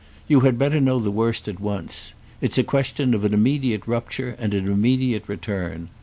You had better know the worst at once. It's a question of an immediate rupture and an immediate return.